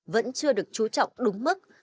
vẫn chưa được chú trọng đúng mức